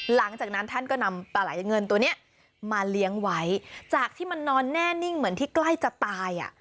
หลังจากนั้นท่านก็นำปลาไหลเงินตัวเนี้ยมาเลี้ยงไว้จากที่มันนอนแน่นิ่งเหมือนที่ใกล้จะตายอ่ะ